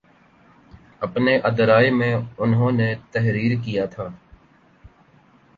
اپنے اداریئے میں انہوں نے تحریر کیا تھا